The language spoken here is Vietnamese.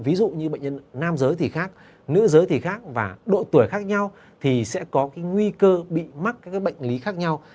ví dụ như bệnh nhân nam giới thì khác nữ giới thì khác và độ tuổi khác nhau thì sẽ có cái nguy cơ bị mắc các cái bệnh lý khác nhau